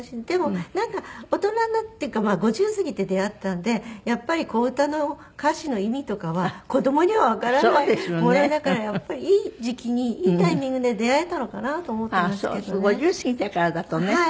でもなんか大人になってまあ５０過ぎて出会ったんでやっぱり小唄の歌詞の意味とかは子どもにはわからないものだからやっぱりいい時期にいいタイミングで出会えたのかなと思ってますけどね。